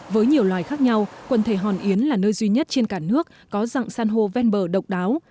với nhiều loài khác nhau quần thể hòn yến là nơi duy nhất trên cả nước có dạng san hô ven bờ độc đáo